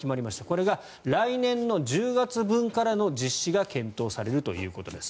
これが来年の１０月分からの実施が検討されるということです。